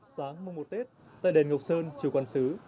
sáng mùa tết tại đền ngọc sơn chùa quản sứ